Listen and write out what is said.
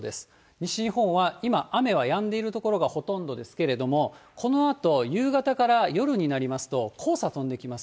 西日本は今、雨はやんでいる所がほとんどですけれども、このあと夕方から夜になりますと、黄砂飛んできます。